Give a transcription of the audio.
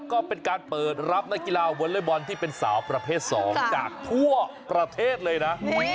ก็เป็นการเปิดรับนักกีฬาวอเล็กบอลที่เป็นสาวประเภท๒จากทั่วประเทศเลยนะ